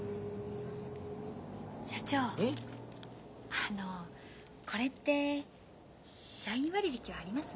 あのこれって社員割引はあります？